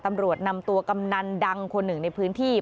ตำรวจนำตัวกำนันดังคนหนึ่งในพื้นที่